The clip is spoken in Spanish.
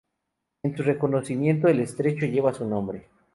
En su reconocimiento el estrecho lleva su nombre.